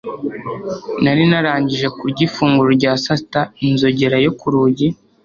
Nari narangije kurya ifunguro rya sasita inzogera yo ku rugi